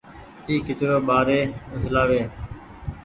اي ڪچرو ٻآري اڇلآ وي